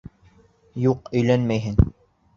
Юҡ, өйләнмәйһең!